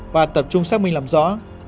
và tập trung xác minh làm rõ